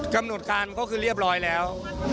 กำหนดการก็คือเรียบร้อยแล้ว